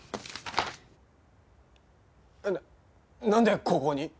ななんでここに！？